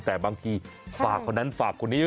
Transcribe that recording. แต่บางทีฝากคนนั้นฝากคนนี้